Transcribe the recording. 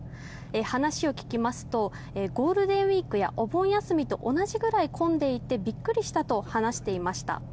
話を聞きますとゴールデンウィークやお盆休みと同じぐらい混んでいてビックリしたと話していました。